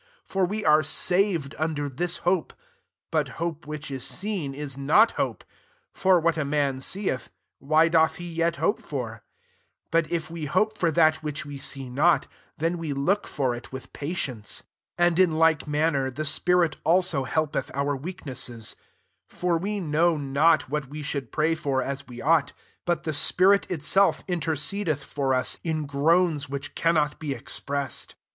24 For we are saved under this hope : but hope which is seen, is not hope : for what a man seeth, why doth he yet hope for ? 25 But if we hope for that which we see not, then we look for it with pa« tience. 26 And in like manner, the spirit also helpeth our weak nesses: for we know not what we should pray for as we ought: but the spirit itself intercedeth [for us] in groans which cannot be expressed.